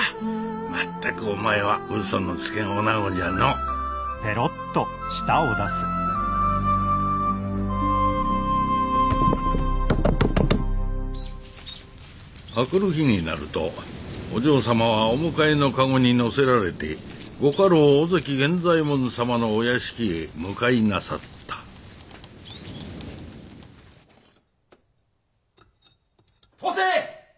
全くお前はうそのつけんおなごじゃの明くる日になるとお嬢様はお迎えの駕籠に乗せられて御家老尾関源左衛門様のお屋敷へ向かいなさった・登勢！